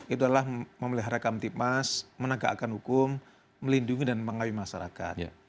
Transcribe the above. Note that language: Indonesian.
itu adalah memelihara kamtipmas menegakkan hukum melindungi dan mengawi masyarakat